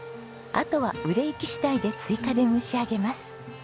あとは売れ行き次第で追加で蒸し上げます。